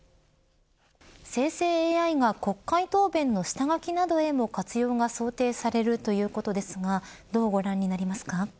生成ＡＩが国会答弁の下書きなどへの活用が想定されるということですがどうご覧になりますか。